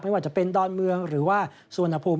ว่าจะเป็นดอนเมืองหรือว่าสุวรรณภูมิ